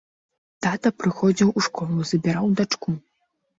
Тата прыходзіў у школу, забіраў дачку.